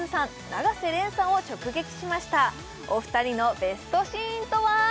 永瀬廉さんを直撃しましたお二人のベストシーンとは？